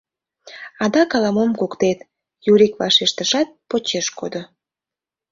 — Адак ала-мом куктет, — Юрик вашештышат, почеш кодо.